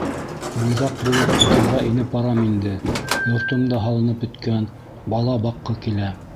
Буйҙаҡ булып утыҙға инеп барам инде, йортом да һалынып бөткән, бала баҡҡы килә...